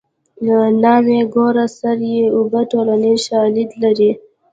ناوې ګوره سر یې اوبه ټولنیز شالید لري